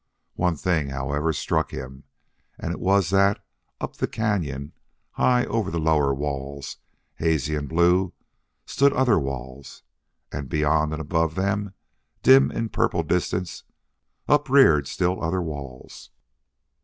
One thing, however, struck him, and it was that up the cañon, high over the lower walls, hazy and blue, stood other walls, and beyond and above them, dim in purple distance, upreared still other walls.